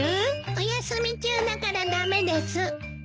お休み中だから駄目です。